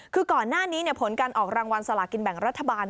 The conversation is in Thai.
คือก่อนหน้านี้ผลการออกรางวัลสลากินแบ่งรัฐบาล